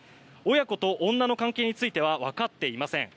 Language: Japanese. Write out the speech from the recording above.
親子と女の関係については分かっていません。